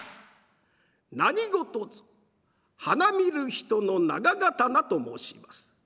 「何事ぞ花見る人の長刀」と申します。